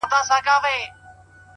سیاه پوسي ده ـ دا دی لا خاندي ـ